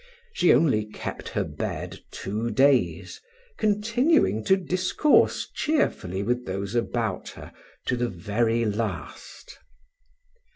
She only kept her bed two days, continuing to discourse cheerfully with those about her to the very last.